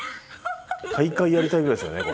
大会やりたいぐらいですよね